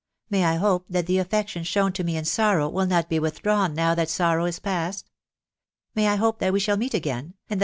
. May I hope that the affection shown to me in sorrow will not he withdrawn now that sorrow is past ?.... May I hope that we shall meet again, and that.